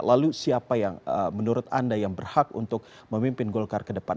lalu siapa yang menurut anda yang berhak untuk memimpin golkar ke depan